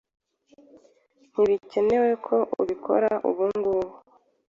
Ntibikenewe ko ubikora ubungubu.